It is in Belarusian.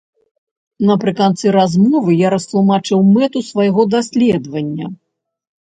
Напрыканцы размовы я растлумачыў мэту свайго даследавання.